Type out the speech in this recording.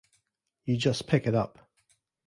You just pick it up.